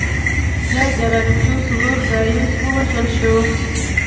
د ګراکچوس ورور ګایوس ووژل شو